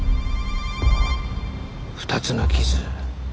２つの傷。